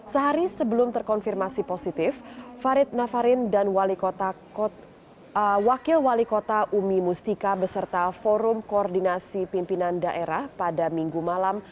sehari sebelum terkonfirmasi positif farid nafarin dan wakil wali kota umi mustika beserta forum koordinasi pimpinan daerah pada minggu malam